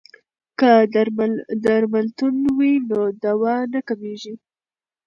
که درملتون وي نو دوا نه کمیږي.